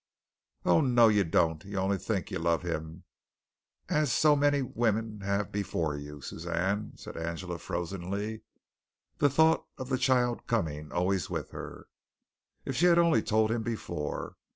"Oh, no, you don't! you only think you love him, as so many women have before you, Suzanne," said Angela frozenly, the thought of the coming child always with her. If she had only told him before!